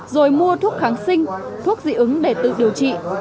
rồi mua thuốc kháng sinh thuốc dị ứng để tự điều trị